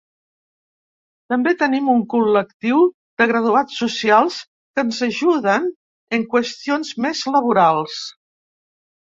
També tenim un col·lectiu de graduats socials que ens ajuden en qüestions més laborals.